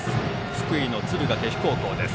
福井の敦賀気比高校です。